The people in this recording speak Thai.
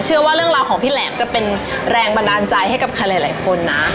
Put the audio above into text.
เชื่อว่าเรื่องราวของพี่แหลมจะเป็นแรงบันดาลใจให้กับใครหลายคนนะ